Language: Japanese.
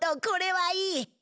これはいい！